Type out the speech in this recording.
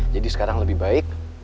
jadi sekarang lebih baik